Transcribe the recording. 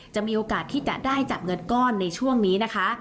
มีโอกาสที่จะได้จับเงินก้อนในช่วงนี้นะคะ